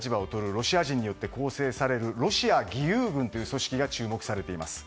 ロシア人によって構成されるロシア義勇軍という組織が注目されています。